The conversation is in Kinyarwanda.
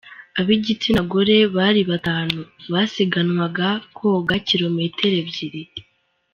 Ab’igitsina gore bari batanu, basiganwaga koga kilometer ebyiri.